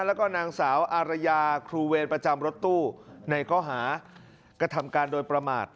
แล้วก็นางสาวอารยาครูเวรประจำรถตู้ในข้อหากระทำการโดยประมาท